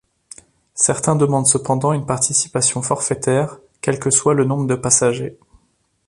Certains demandent cependant une participation forfaitaire quel que soit le nombre de passagers.